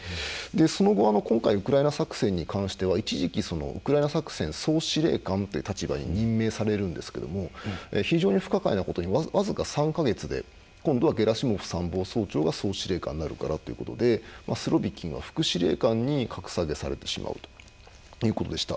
その後、今回ウクライナ作戦に関しては一時期、ウクライナ作戦総司令官という立場に任命されるんですが非常に不可解なことに僅か３か月で今度はゲラシモフ参謀総長が総司令官になるからということでスロビキンは副司令官に格下げされてしまうということでした。